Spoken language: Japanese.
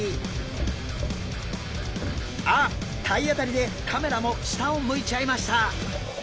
あっ体当たりでカメラも下を向いちゃいました。